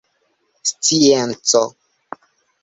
scienco